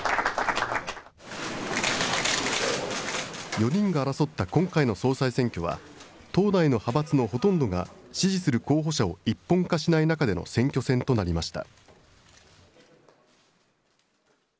４人が争った今回の総裁選挙は、党内の派閥のほとんどが支持する候補者を一本化しない中での選挙戦となりました。